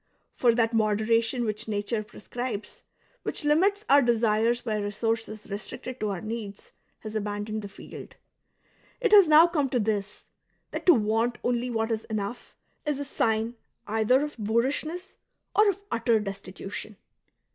For that moderation which nature pre scribes, which limits our desires by resources I'estricted to our needs, has abandoned the field ; it has now come to this — that to want only what is enough is a sign either of boorishness or of utter destitution.